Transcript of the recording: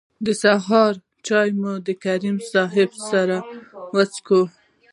د سهار چای مو د کریمي صیب سره وڅښه.